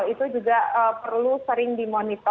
itu juga perlu sering dimonitor